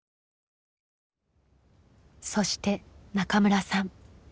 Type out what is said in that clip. そして中村さん。